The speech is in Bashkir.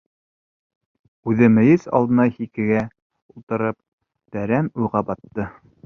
Үҙе, мейес алдына һикегә ултырып, тәрән уйға батты.